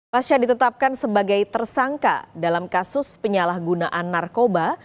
pasca ditetapkan sebagai tersangka dalam kasus penyalahgunaan narkoba